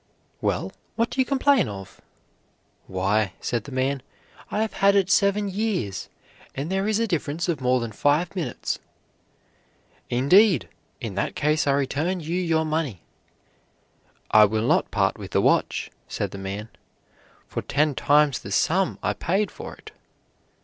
Well, what do you complain of?" "Why," said the man, "I have had it seven years, and there is a difference of more than five minutes." "Indeed! In that case I return you your money." "I would not part with my watch," said the man, "for ten times the sum I paid for it."